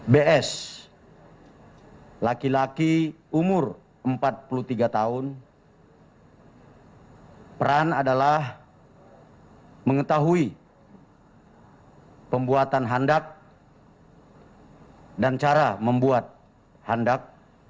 bs laki laki umur empat puluh tiga tahun peran adalah mengetahui pembuatan handak dan cara membuat handak